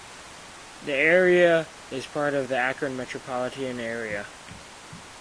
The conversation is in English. The area is part of the Akron metropolitan area.